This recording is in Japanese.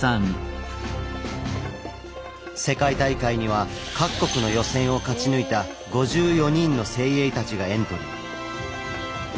世界大会には各国の予選を勝ち抜いた５４人の精鋭たちがエントリー。